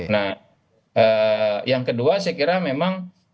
nah yang kedua saya kira memang